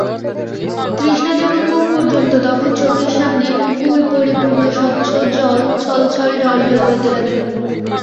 তৃষ্ণা যখন বুক পর্যন্ত তখন চোখের সামনে কূলপরিপূর্ণ স্বচ্ছ জল ছলছল ঢলঢল করিতে লাগিল।